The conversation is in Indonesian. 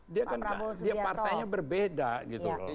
dia kan dia partainya berbeda gitu loh